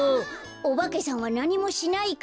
オバケさんはなにもしないから。